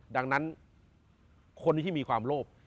ดังนั้นคนที่มีความโลภ